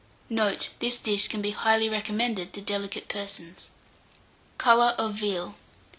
Note. This dish can be highly recommended to delicate persons. COLOUR OF VEAL.